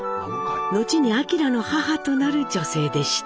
のちに明の母となる女性でした。